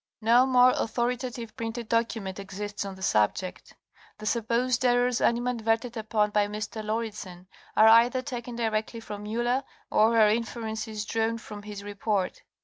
No more authoritative printed document exists on the subject. The sup posed errors animadverted upon by Mr. Lauridsen are either taken directly from Miller, or are inferences drawn from his report.